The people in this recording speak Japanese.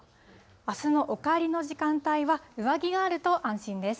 あすのお帰りの時間帯は、上着があると安心です。